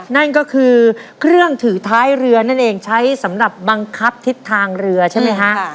นั่นก็คือเครื่องถือท้ายเรือนั่นเองใช้สำหรับบังคับทิศทางเรือใช่ไหมฮะ